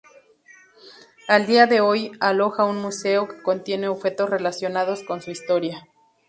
Al día de hoy aloja un museo que contiene objetos relacionados con su historia.